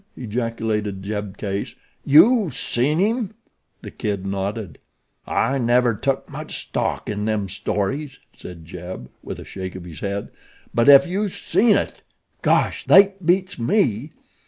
ejaculated Jeb Case. "Yew seen him?" The Kid nodded. "I never tuk much stock in them stories," said Jeb, with a shake of his head; "but ef you SEEN it! Gosh! Thet beats me.